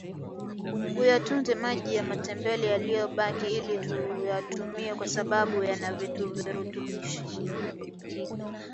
uyatunze maji ya matembele yaliyobaki ili uyatumie kwa sababu yana virutubishi